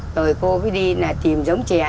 rồi cô đi tìm giống chè